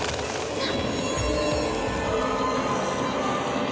あっ。